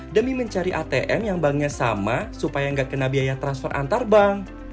demi mencari atm yang banknya sama supaya nggak kena biaya transfer antar bank